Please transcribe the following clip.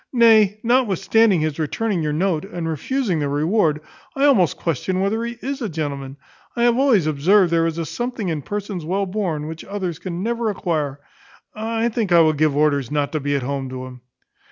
Nay, notwithstanding his returning your note, and refusing the reward, I almost question whether he is a gentleman. I have always observed there is a something in persons well born, which others can never acquire. I think I will give orders not to be at home to him."